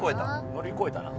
乗り越えたな。